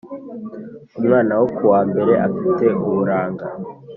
umwana wo kuwa mbere afite uburanga